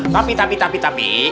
tapi tapi tapi tapi